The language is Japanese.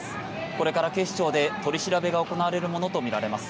これから警視庁で取り調べが行われるものとみられます。